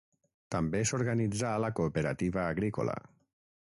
També s'organitzà la cooperativa agrícola.